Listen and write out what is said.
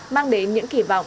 mang đến những kỳ vọng